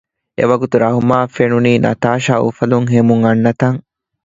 އެވަގުތު ރަހުމާއަށް ފެނުނީ ނަތާޝާ އުފަލުން ހެމުން އަންނަތަން